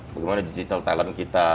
bagaimana digital talent kita